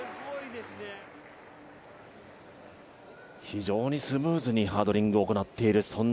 非常にスムーズにハードリングを行っている。